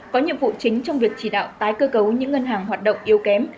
có nhiệm vụ chính trong việc chỉ đạo tái cơ cấu những ngân hàng hoạt động yếu kém